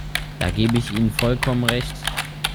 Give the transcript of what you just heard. Da gebe ich Ihnen vollkommen Recht.